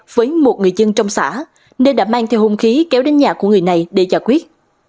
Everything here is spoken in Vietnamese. với một người dân trong xã nên đã mang theo hung khí kéo đến nhà của người này để giải quyết